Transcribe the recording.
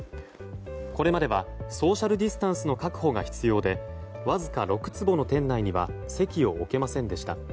これまではソーシャルディスタンスの確保が必要でわずか６坪の店内には席を置けませんでした。